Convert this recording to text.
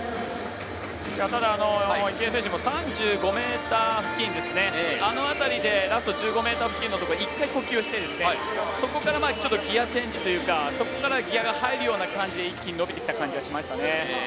ただ、池江選手も３５ｍ付近あの辺り、ラスト１５ｍ付近で１回呼吸をしてそこからギヤチェンジというかそこからギヤが入るような感じで一気に伸びてきた感じでしたね。